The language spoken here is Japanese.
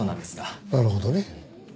なるほどね。